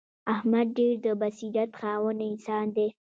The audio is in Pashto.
احمد ډېر د بصیرت خاوند انسان دی.